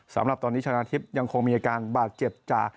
สำหรับตอนนี้ชนะทิพย์ยังคงมีอาการบาดเจ็บจาก